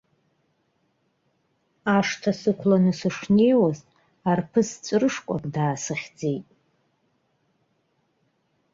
Ашҭа сықәланы сышнеиуаз, арԥыс ҵәрышкәак даасыхьӡеит.